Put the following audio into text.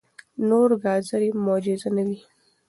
نو ګازرې معجزه نه دي.